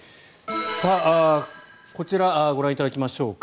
こちらご覧いただきましょうか。